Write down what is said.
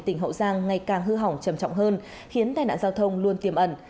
tỉnh hậu giang ngày càng hư hỏng trầm trọng hơn khiến tai nạn giao thông luôn tiềm ẩn